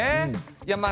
いやまあ